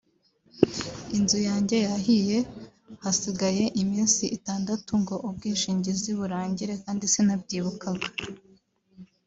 Inzu yanjye yahiye hasigaye iminsi itandatu ngo ubwishingizi burangire kandi sinabyibukaga